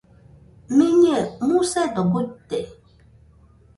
Miñɨe musedo guite